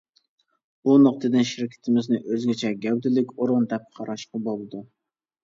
بۇ نۇقتىدىن شىركىتىمىزنى ئۆزگىچە، گەۋدىلىك ئورۇن دەپ قاراشقا بولىدۇ.